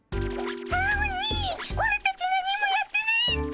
アオニイオラたち何もやってないっピ。